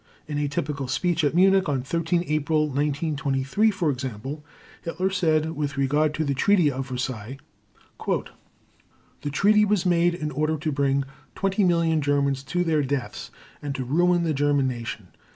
In a typical speech at Munich on 13 April 1923, for example, Hitler said with regard to the Treaty of Versailles: "The Treaty was made in order to bring 20 million Germans to their deaths, and to ruin the German Nation